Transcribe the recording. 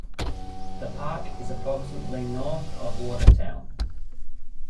The park is approximately north of Watertown.